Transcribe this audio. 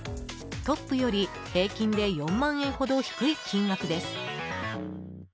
トップより平均で４万円ほど低い金額です。